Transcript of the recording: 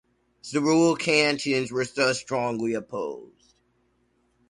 The rural cantons were thus strongly opposed.